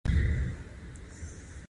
جانداد د حلم او حوصلې خاوند دی.